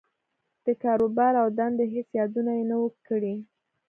د کاروبار او دندې هېڅ يادونه يې نه وه کړې.